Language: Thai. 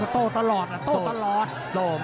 อ้าวเดี๋ยวดูยก๓นะครับ